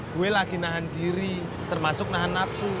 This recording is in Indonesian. gue lagi nahan diri termasuk nahan nafsu